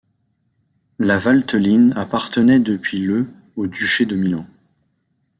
La Valteline appartenait depuis le au duché de Milan.